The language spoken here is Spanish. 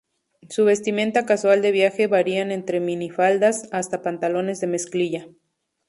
Su vestimenta casual de viaje varían entre mini faldas, hasta pantalones de mezclilla.